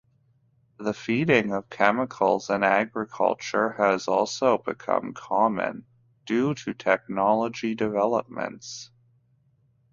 The feeding of chemicals in agriculture has also become common due to technology developments.